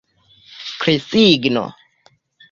Krisigno.